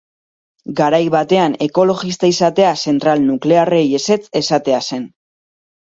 Garai batean ekologista izatea zentral nuklearrei ezetz esatea zen.